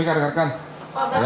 berarti itu melanggar sop dong